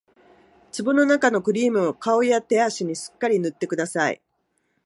壺のなかのクリームを顔や手足にすっかり塗ってください